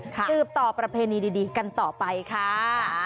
สืบต่อประเพณีดีกันต่อไปค่ะ